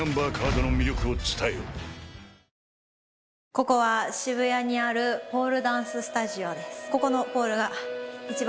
ここは渋谷にあるポールダンススタジオです。